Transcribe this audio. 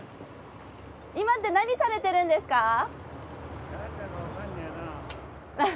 今って何されてるんですか？